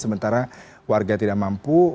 sementara warga tidak mampu